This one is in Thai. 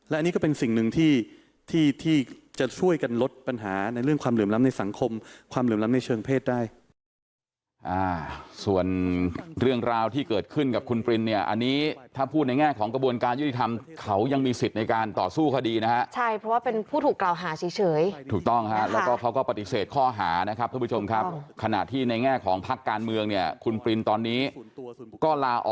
และอันนี้ก็เป็นสิ่งหนึ่งที่จะช่วยกันลดปัญหาในเรื่องความเหลื่อมล้ำในสังคมความเหลื่อมล้ำในเชิงเพศได้